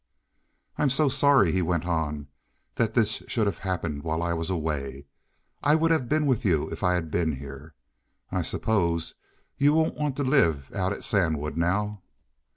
"I'm so sorry," he went on, "that this should have happened while I was away. I would have been with you if I had been here. I suppose you won't want to live out at Sandwood now?"